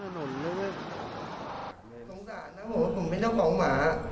สงสารนะผมว่าผมเป็นเจ้าของหมา